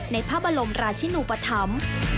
ในภาบลมราชินุปธรรม